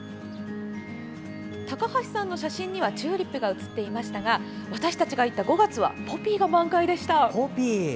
高橋さんの写真にはチューリップが写っていましたが私たちが行った５月はポピーが満開でした。